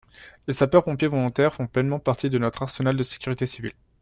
Les sapeurs-pompiers volontaires font pleinement partie de notre arsenal de sécurité civile.